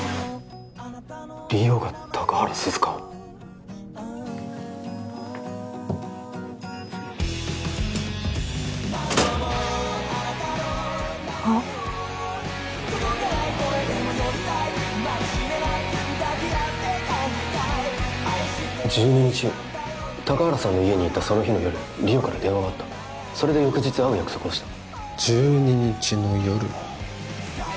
莉桜が高原涼香をあっ１２日高原さんの家に行ったその日の夜莉桜から電話があったそれで翌日会う約束をした１２日の夜